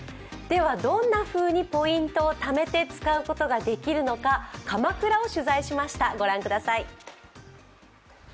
では、どんなふうにポイントを貯めて使うことができるのか、鎌倉を取材しました。